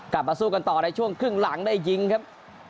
กลับมาสู้กันต่อในช่วงครึ่งหลังได้ยิงครับ